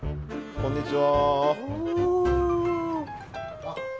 こんにちは。